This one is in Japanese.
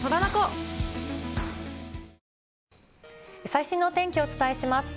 最新のお天気をお伝えします。